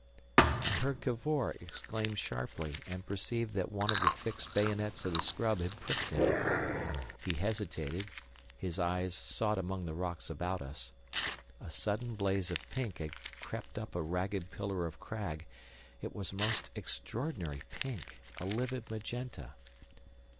I heard Cavor exclaim sharply, and perceived that one of the fixed bayonets of the scrub had pricked him. He hesitated, his eyes sought among the rocks about us. A sudden blaze of pink had crept up a ragged pillar of crag. It was a most extraordinary pink, a livid magenta.